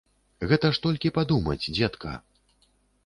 Гэта ж толькі падумаць, дзедка.